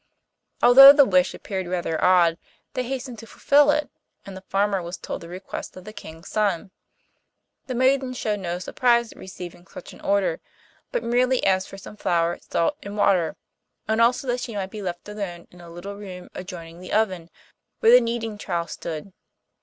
Although the wish appeared rather odd, they hastened to fulfil it, and the farmer was told the request of the King's son. The maiden showed no surprise at receiving such an order, but merely asked for some flour, salt, and water, and also that she might be left alone in a little room adjoining the oven, where the kneading trough stood.